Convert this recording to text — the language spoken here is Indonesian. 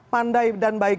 pandai dan baik